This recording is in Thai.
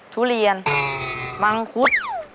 ทุเรียนมังคุด